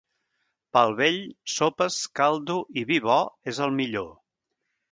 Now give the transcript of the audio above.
Pel vell, sopes, caldo i vi bo és el millor.